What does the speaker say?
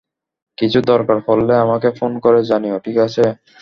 কিছুর দরকার পড়লে আমাকে ফোন করে জানিও, ঠিক আছে?